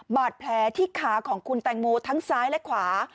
บาดแผลที่ขาของคุณแตงโมทั้งซ้ายและขวา